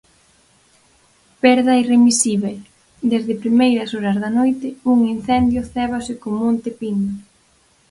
"Perda irremisíbel": Desde primeiras horas da noite un incendio cébase co monte Pindo.